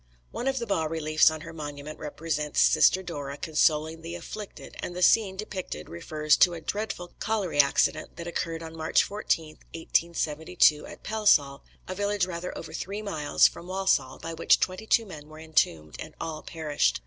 One of the bas reliefs on her monument represents Sister Dora consoling the afflicted and the scene depicted refers to a dreadful colliery accident that occurred on March 14, 1872, at Pelsall, a village rather over three miles from Walsall, by which twenty two men were entombed, and all perished.